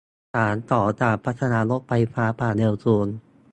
สานต่อการพัฒนารถไฟความเร็วสูง